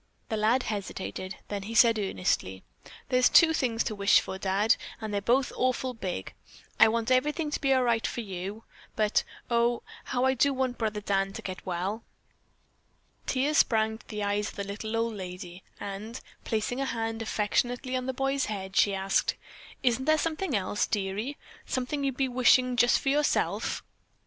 The lad hesitated, then he said earnestly: "There's two things to wish for, Dad, and they're both awful big. I want everything to be all right for you, but, oh, how I do want brother Dan to get well." Tears sprang to the eyes of the little old lady, and placing a hand affectionately on the boy's head she asked: "Isn't there something else, dearie, something you'd be wishing just for yourself?"